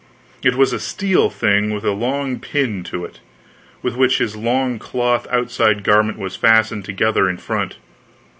It was a steel thing with a long pin to it, with which his long cloth outside garment was fastened together in front.